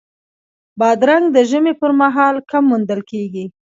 بادرنګ د ژمي پر مهال کم موندل کېږي.